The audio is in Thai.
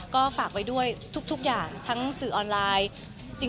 ก็ฝากไว้ด้วยทุกอย่างทั้งสื่อออนไลน์